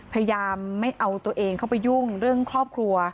พยายามไม่เอาตัวเองเข้าไปยุ่งเรื่องครอบครัว